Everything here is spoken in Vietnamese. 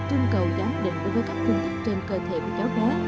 trung cầu giám định đối với các thương tích trên cơ thể của cháu bé